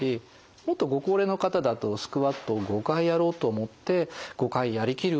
もっとご高齢の方だとスクワットを５回やろうと思って５回やりきる